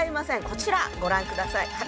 こちらご覧下さい。